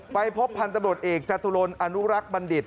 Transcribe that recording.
ไปพบพันธบรวจเอกจตุรนอนุรักษ์บัณฑิต